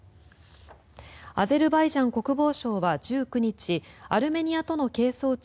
アゼルバイジャン国防省は１９日アルメニアとの係争地